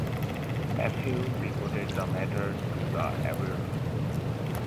Mathieu reported the matter to the Abwehr.